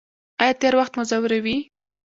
ایا تیر وخت مو ځوروي؟